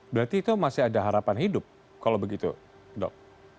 berarti itu masih ada harapan hidup kalau begitu dok